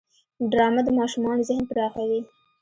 ډرامه د ماشومانو ذهن پراخوي